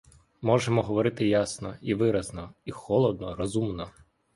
Можемо говорити ясно, і виразно, і холодно, розумно.